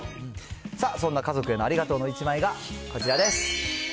さあ、そんな家族へのありがとうの１枚がこちらです。